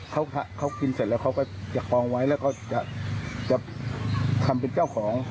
เขากินเสร็จแล้วเขาก็จะคลองไว้แล้วก็จะทำเป็นเจ้าของ